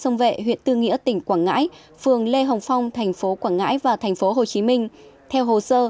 nên với em nên vô